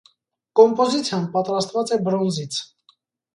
Կոմպոզիցիան պատրաստված է բրոնզից։